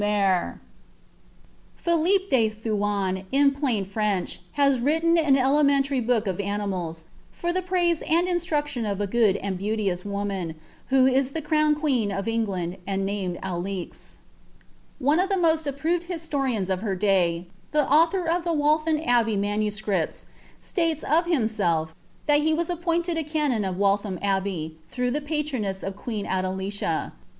*'Philippe de Thuan, in plain French, Has written an elementary book of animals, For the praise and instruction of a good and beauteous woman, Who it the crowned queen of England, and named Alix." ) of the most approved historians of her day, the author of the am Abbey Manuscripts,' states of himself, that he was appointed a of Waltham Abbey, through the patronage of queen Adelicia.